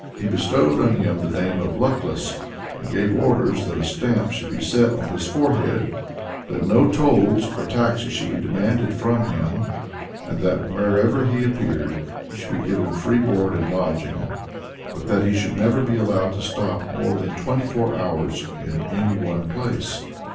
"He bestowed on him the name of Luckless, and gave orders that a stamp should be set on his forehead, that no tolls or taxes should be demanded from him, and that wherever he appeared he should be given free board and lodging, but that he should never be allowed to stop more than twenty four hours in any one place."